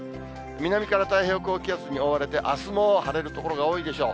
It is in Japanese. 南から太平洋高気圧に覆われて、あすも晴れる所が多いでしょう。